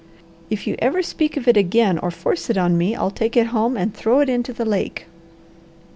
"If you ever speak of it again or force it on me I'll take it home and throw it into the lake."